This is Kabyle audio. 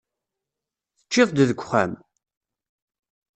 Teččiḍ-d deg uxxam?